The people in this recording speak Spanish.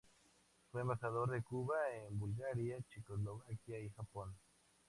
Fue embajador de Cuba en Bulgaria, Checoslovaquia y Japón.